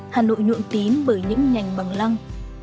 hà nội nhuộm tím bởi những nhành bằng lăng